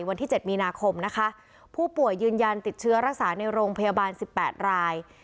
วันที่๗มีนาคมนะคะผู้ป่วยยืนยันติดเชื้อรักษาในโรงพยาบาล๑๘ราย